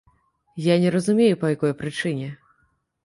Я не разумею, па якой прычыне.